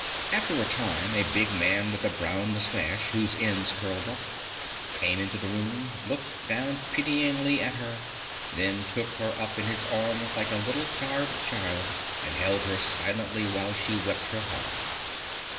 After a time, a big man with a brown mustache whose ends curled up, came into the room, looked down pityingly at her, then took her up in his arms like a little tired child and held her silently while she wept her heart out.